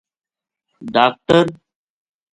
ڈاکٹر